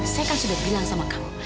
saya kan sudah bilang sama kamu